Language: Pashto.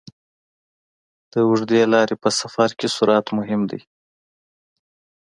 د اوږدې لارې په سفر کې سرعت مهم دی.